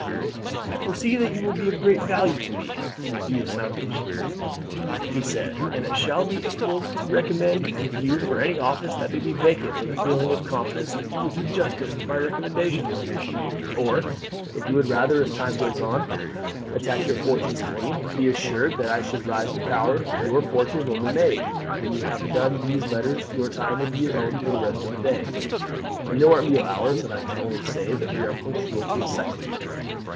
"I foresee that you will be of great value to me, Monsieur Sandwith," he said, "and I shall be able to recommend you for any office that may be vacant with a feeling of confidence that you will do justice to my recommendation; or if you would rather, as time goes on, attach your fortunes to mine, be assured that if I should rise to power your fortune will be made. When you have done these letters your time will be your own for the rest of the day. You know our meal hours, and I can only say that we are punctual to a second."